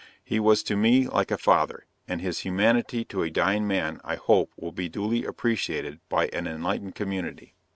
He was to me like a father, and his humanity to a dying man I hope will be duly appreciated by an enlightened community.